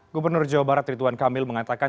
gubernur jawa barat rituan kamil mengatakan